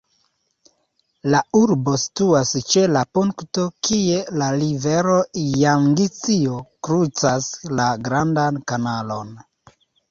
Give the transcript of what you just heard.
La urbo situas ĉe la punkto kie la rivero Jangzio krucas la Grandan Kanalon.